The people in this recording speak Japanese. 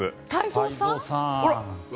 太蔵さん？